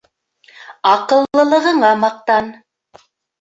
Аҡыллылығыңа маҡтан.